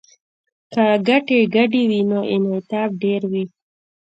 که ګټې ګډې وي نو انعطاف ډیر وي